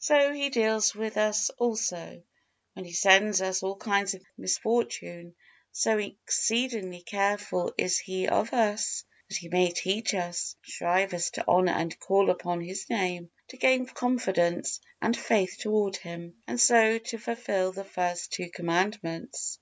So He deals with us also, when He sends us all kinds of misfortune: so exceedingly careful is He of us, that He may teach us and drive us to honor and call upon His Name, to gain confidence and faith toward Him, and so to fulfil the first two Commandments.